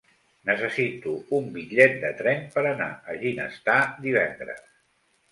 Necessito un bitllet de tren per anar a Ginestar divendres.